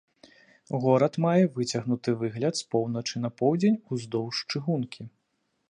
Горад мае выцягнуты выгляд з поўначы на поўдзень уздоўж чыгункі.